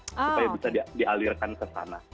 supaya bisa dialirkan ke sana